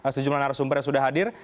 sejumlah narasumber yang sudah hadir